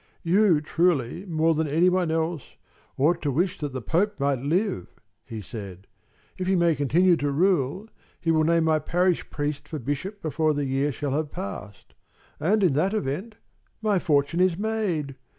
"You, truly, more than any one else, ought to wish that the Pope might live," he said. "If he may continue to rule, he will name my parish priest for bishop before the year shall have passed and, in that event, my fortune is made.